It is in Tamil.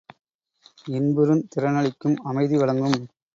இன்புறுந் திறனளிக்கும் அமைதி வழங்கும்.